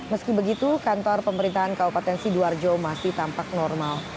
meski begitu kantor pemerintahan kabupaten sidoarjo masih tampak normal